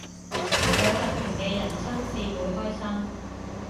有特權嘅人生至會開心